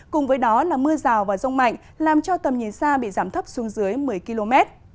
cùng với đó là mưa rào và rông mạnh làm cho tầm nhìn xa bị giảm thấp xuống dưới một mươi km